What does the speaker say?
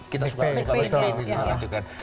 kita suka suka back pain